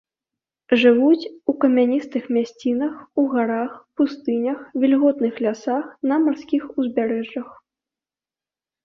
Жывуць у камяністых мясцінах, у гарах, пустынях, вільготных лясах, на марскіх узбярэжжах.